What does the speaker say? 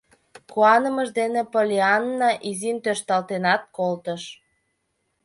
Куанымыж дене Поллианна изин тӧршталтенат колтыш.